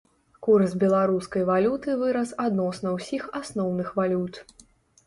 Курс беларускай валюты вырас адносна ўсіх асноўных валют.